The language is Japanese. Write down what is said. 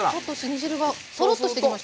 煮汁がとろっとしてきました。